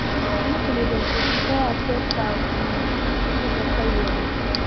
نه پوهېږم دې ته اړتیا شته او کنه چې څه درته ووايم.